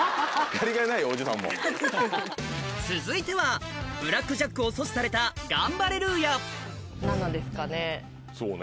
続いてはブラックジャックを阻止されたガンバレルーヤ７ですかね。